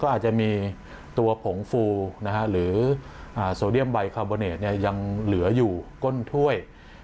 อาจจะมีตัวผงฟูหรือโซเดียมไบคาร์โบเนตยังเหลืออยู่ก้นถ้วย